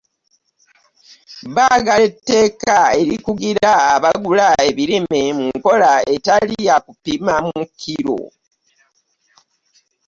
Baagala etteeka erikugira abagula ebirime mu nkola etali ya kupima mu kkiro